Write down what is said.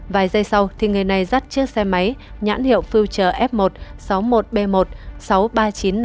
vài giây sau thì người này dắt chiếc xe máy nhãn hiệu future f một sáu mươi một b một